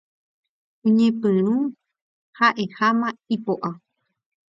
Oñepyrũ ha'eháma ipo'a.